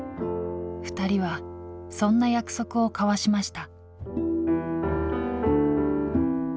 ２人はそんな約束を交わしました。